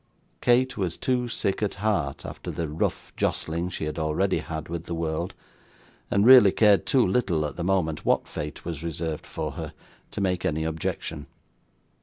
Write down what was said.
Kate was too sick at heart, after the rough jostling she had already had with the world, and really cared too little at the moment what fate was reserved for her, to make any objection.